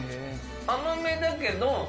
甘めだけど。